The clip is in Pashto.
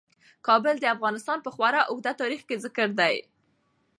کابل د افغانستان په خورا اوږده تاریخ کې ذکر دی.